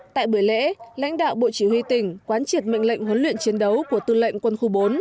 tại buổi lễ lãnh đạo bộ chỉ huy tỉnh quán triệt mệnh lệnh huấn luyện chiến đấu của tư lệnh quân khu bốn